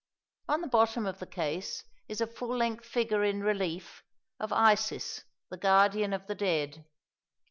On the bottom of the case is a full length figure in relief, of Isis, the guardian of the dead.